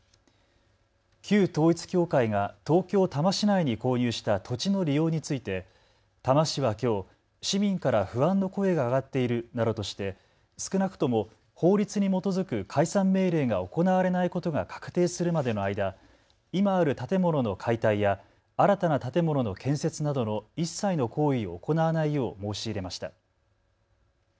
旧統一教会が東京多摩市内に購入した土地の利用について多摩市はきょう市民から不安の声が上がっているなどとして少なくとも法律に基づく解散命令が行われないことが確定するまでの間、今ある建物の解体や新たな建物の建設などの一切の行為を行わないよう申し入れました。